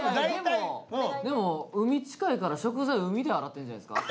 でも海近いから食材海で洗ってるんじゃないですか？